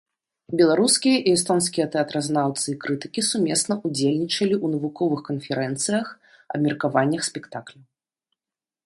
Беларускія і эстонскія тэатразнаўцы і крытыкі сумесна удзельнічалі ў навуковых канферэнцыях, абмеркаваннях спектакляў.